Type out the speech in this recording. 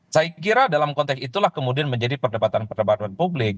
saya kira dalam konteks itulah kemudian menjadi perdebatan perdebatan publik